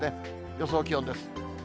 予想気温です。